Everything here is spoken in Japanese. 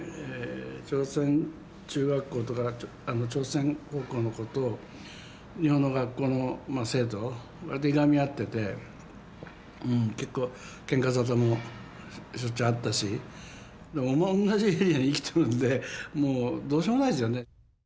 朝鮮中学校とか朝鮮高校の子と日本の学校の生徒わりといがみ合ってて結構けんか沙汰もしょっちゅうあったし同じエリアに生きとるんでもうどうしようもないですよね。